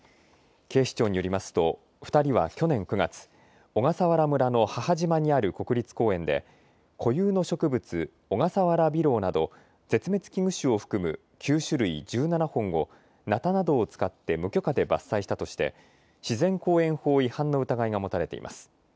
警視庁によりますと２人は去年９月、小笠原村の母島にある国立公園で固有の植物、オガサワラビロウなど絶滅危惧種を含む９種類１７本をなたなどを使って無許可で伐採したとして自然公園法違反の疑いが持たれています。